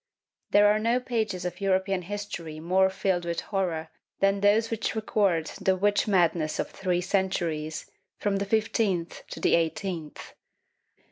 There are no pages of European history more filled with horror than those which record the witch madness of three centuries, from the fifteenth to the eighteenth.